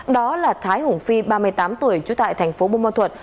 đó là thái hùng phi ba mươi tám tuổi chú tại tp bông môn thuật